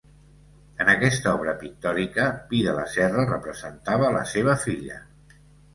En aquesta obra pictòrica, Pidelaserra representa la seva filla.